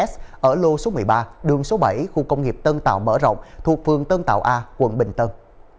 năm nghìn một s ở lô số một mươi ba đường số bảy khu công nghiệp tân tàu mở rộng thuộc phường tân tàu a quận bình tân